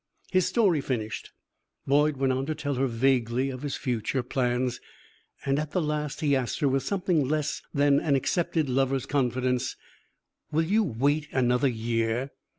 His story finished, Boyd went on to tell her vaguely of his future plans, and at the last he asked her, with something less than an accepted lover's confidence: "Will you wait another year?"